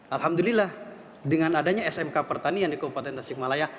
alhamdulillah dengan adanya smk pertanian di kabupaten tasik malaya